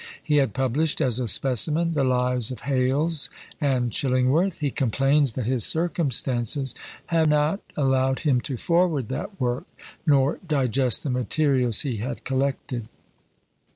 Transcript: He had published, as a specimen, the lives of Hales and Chillingworth. He complains that his circumstances have not allowed him to forward that work, nor digest the materials he had collected.